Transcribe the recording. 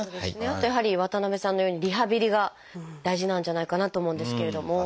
あとやはり渡辺さんのようにリハビリが大事なんじゃないかなと思うんですけれども。